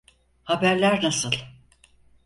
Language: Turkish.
Haberler nasıl?